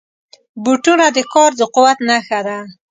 بوټونه د کار د قوت نښه ده.